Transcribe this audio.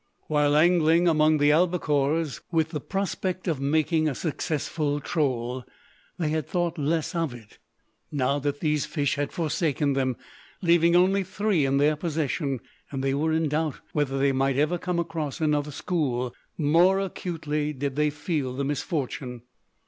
While angling among the albacores, with the prospect of making a successful troll, they had thought less of it. Now that these fish had forsaken them, leaving only three in their possession, and they were in doubt whether they might ever come across another "school," more acutely did they feel the misfortune.